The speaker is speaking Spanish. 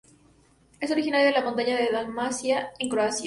Es originaria de las montañas de Dalmacia en Croacia.